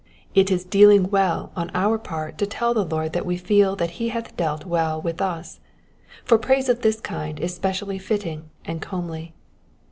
It is dealing well on our part to ten the Lord that we feel that he hath dealt well with us ; for praise of this kind is specially fitting and comely.